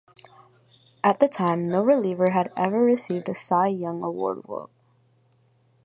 At the time, no reliever had ever received a Cy Young Award vote.